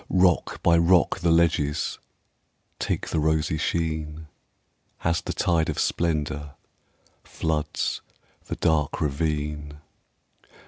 Rock by rock the ledges Take the rosy sheen, As the tide of splendor Floods the dark ravine.